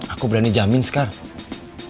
aku berani jamin kalau harimau itu pasti dia